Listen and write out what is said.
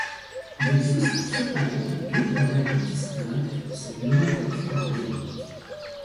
Il existe cependant d’autres règles distinctes pour cette nomenclature organique.